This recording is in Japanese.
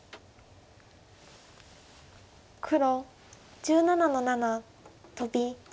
黒１７の七トビ。